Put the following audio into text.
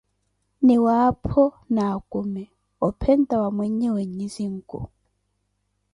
miwaapho, na akumi, opheta wa mweyewe nyizinku.